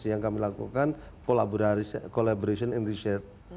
yang kami lakukan collaboration and research